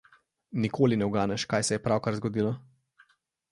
Nikoli ne uganeš, kaj se je pravkar zgodilo.